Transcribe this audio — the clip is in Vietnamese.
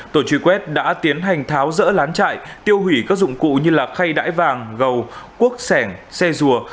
tổ chức truy kết đã tiến hành tháo rỡ lán trại tiêu hủy các dụng cụ như là khay đải vàng gầu quốc sẻng xe rùa